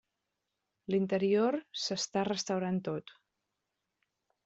L'interior s'està restaurant tot.